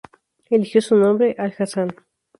Eligió su nombre "AlHasan".